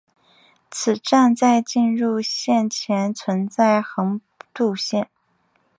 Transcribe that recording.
此站在进入线前存在横渡线。